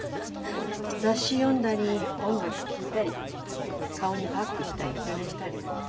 雑誌読んだり音楽聴いたり顔にパックしたり昼寝したり。